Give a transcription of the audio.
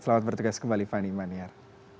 selamat bertugas kembali fani maniar